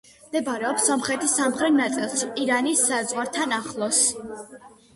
მდებარეობს სომხეთის სამხრეთ ნაწილში, ირანის საზღვართან ახლოს.